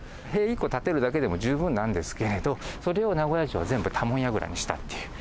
塀１個建てるだけでも十分なんですけれどそれを、名古屋城は全部、多聞櫓にしたっていう。